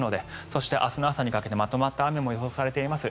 そして、明日の朝にかけてまとまった雨も予想されています。